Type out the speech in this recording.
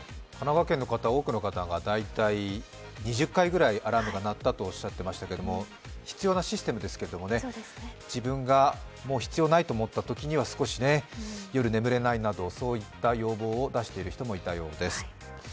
神奈川県の方、多くの方が大体２０回ぐらいアラームが鳴ったとおっしゃっていましたけれども必要なシステムですけれどもね、自分がもう必要ないと思ったときには少しね、夜眠れないなどそういった要望を出している人もいたようです。